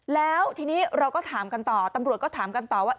แล้วทีนี้เราก็ถามกันต่อตำรวจก็ถามกันต่อว่า